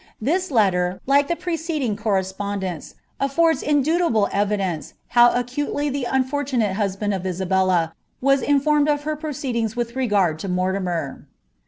This letter, like the preceding cor Bspondence, affords indubitable evidence how accurately the nnfor mate husliand of Isabella was informed of her proceedings with regard » Mortimer.